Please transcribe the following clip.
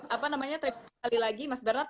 apa namanya terima kasih lagi mas bernard